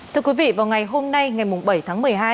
thưa quý vị vào ngày hôm nay ngày bảy tháng một mươi hai